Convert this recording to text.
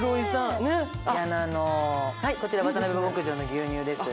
はいこちら渡邉牧場の牛乳です。